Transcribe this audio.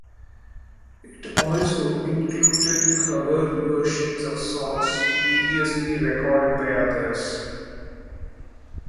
It also included cover versions of songs previously recorded by others.